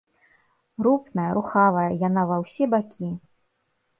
Рупная, рухавая, яна ва ўсе бакі.